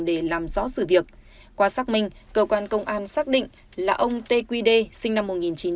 để làm rõ sự việc qua xác minh cơ quan công an xác định là ông t quy đê sinh năm một nghìn chín trăm tám mươi một